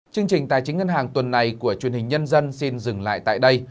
chương trình tài chính ngân hàng tuần này của truyền hình nhân dân xin dừng lại tại đây